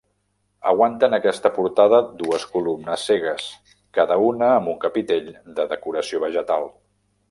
Aguanten aquesta portada dues columnes cegues, cada una amb un capitell de decoració vegetal.